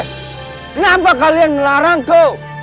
kenapa kalian melarangku